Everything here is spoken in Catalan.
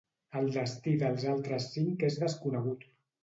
El destí dels altres cinc és desconegut.